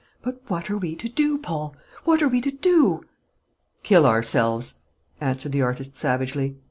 But what are we to do, Paul? what are we to do?" "Kill ourselves," answered the artist savagely.